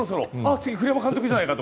次、栗山監督じゃないか？